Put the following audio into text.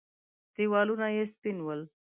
دېوالونه يې سپين ول.